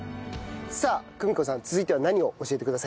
さあ久美子さん続いては何を教えてくださいますか？